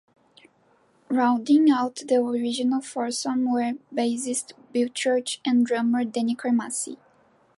Rounding out the original foursome were bassist Bill Church and drummer Denny Carmassi.